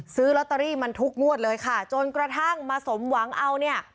ซื้อลอตเตอรี่มันทุกงวดเลยค่ะจนกระทั่งมาสมหวังเอาเนี่ย